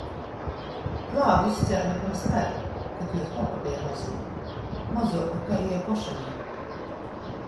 Klāvu izcēle pyrms kara, kod juos baba beja mozeņa, mozuoka kai jei poša niu.